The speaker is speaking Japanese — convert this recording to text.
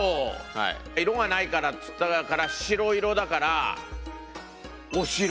色がないからっつったから白色だから「おしろ」。